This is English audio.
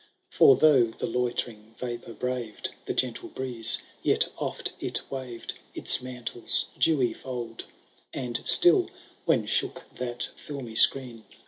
For, though the loitering Tapour brayed The gentle breeze, yet oft it waved Its mantlets dewy fold ; And still, when shook that filmy screen.